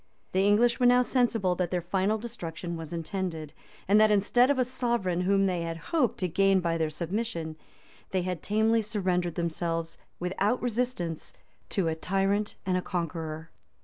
[*] The English were now sensible that their final destruction was intended; and that instead of a sovereign, whom they had hoped to gain by their submission, they had tamely surrendered themselves, without resistance, to a tyrant and a conqueror.